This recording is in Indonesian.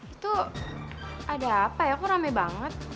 itu ada apa ya aku rame banget